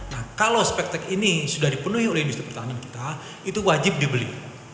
nah kalau spektac ini sudah dipenuhi oleh industri pertahanan kita itu wajib dibeli